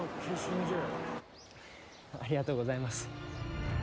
ありがとうございます。